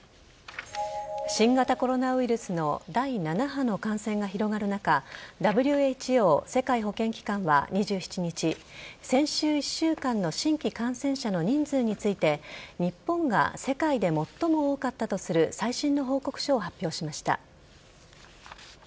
新型コロナウイルスの第７波の感染が広がる中ＷＨＯ＝世界保健機関は２７日先週１週間の新規感染者の人数について日本が世界で最も多かったとする最新の報告書を発表しました。